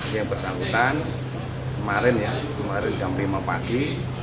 yang bersangkutan kemarin ya kemarin jam lima pagi